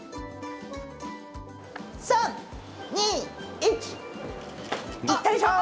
３、２、１いったでしょう。